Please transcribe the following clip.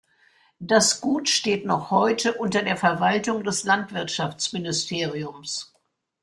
Das Gut steht noch heute unter der Verwaltung des Landwirtschafts-Ministeriums.